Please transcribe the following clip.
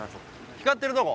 光ってるとこ？